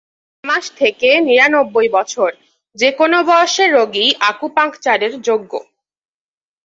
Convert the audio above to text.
ছয় মাস থেকে নিরানববই বছর, যে কোনো বয়সের রোগীই আকুপাঙ্কচারের যোগ্য।